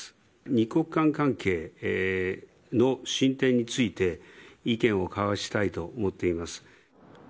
２国間関係の進展について、意見を交わしたいと思っています。